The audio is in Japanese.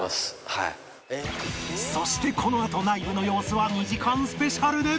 そしてこのあと内部の様子は２時間スペシャルで！